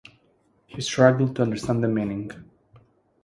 He struggled to understand the meaning.